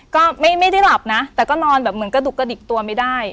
ก็ไม่ได้หลับนะแต่ก็นอนแบบเหมือนกระดุกกระดิกตัวไม่ได้